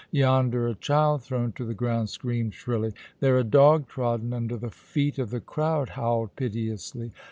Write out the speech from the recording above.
Yonder a child thrown to the ground screamed shrilly, there a dog trodden under the feet of the crowd howled piteously.